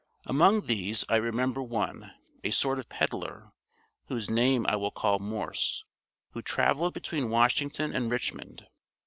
Among these I remember one, a sort of peddler whose name I will call Morse who traveled between Washington and Richmond.